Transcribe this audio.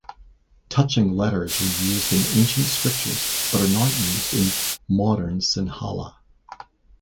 Touching letters were used in ancient scriptures but are not used in modern Sinhala.